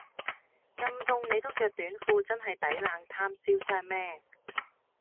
咁凍你都著短褲真係抵冷貪瀟湘咩